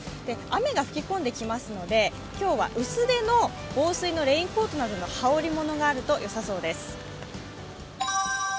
雨が吹き込んできますので今日は薄手の防水のレインコートなど羽織りものがあるとよさそうです。